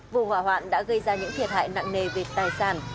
vụ hỏa hoạn đã gây ra những thiệt hại nặng nề về tài sản